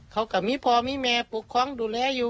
เขาก็มีพ่อมีแม่ปกครองดูแลอยู่